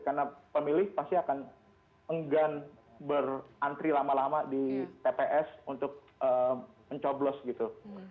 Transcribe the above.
karena pemilih pasti akan enggan berantri lama lama di tps untuk mencoblos gitu